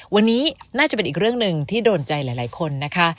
วันนี้น่าจะเป็นอีกเรื่องหนึ่งที่โดนใจหลายคนนะคะ